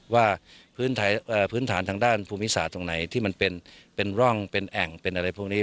ว่าพื้นฐานทางด้านภูมิศาสตร์ตรงไหนที่มันเป็นร่องเป็นแอ่งเป็นอะไรพวกนี้